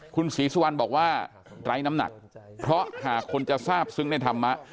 คุณศรีสุวรรณบอกว่าไร้น้ำหนักเพราะหากคนจะทราบซึ้งในธรรมะ